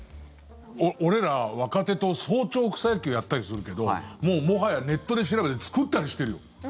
俺ら、若手と早朝草野球やったりするけどもはや、ネットで調べて作ったりしてるよ。